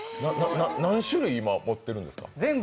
何種類、今、持ってるんですか？